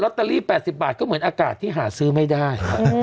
เตอรี่๘๐บาทก็เหมือนอากาศที่หาซื้อไม่ได้